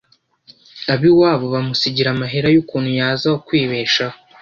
abiwabo……bamusigira amahera yukuntu azokwibeshaho